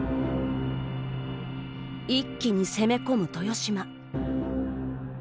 一気に攻め込む豊島。